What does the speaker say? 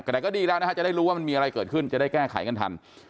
แต่ก็ดีแล้วนะฮะจะได้รู้ว่ามันมีอะไรเกิดขึ้นจะได้แก้ไขกันทัน